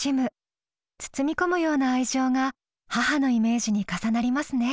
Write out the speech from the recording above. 包み込むような愛情が母のイメージに重なりますね。